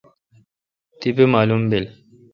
تیپہ معالم بیل۔